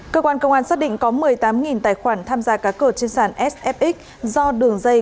cơ quan công an xác định có một mươi tám tài khoản tham gia cá cợt trên sàn sfxx do đường dây